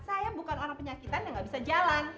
saya bukan orang penyakitan yang gak bisa jalan